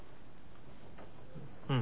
うん。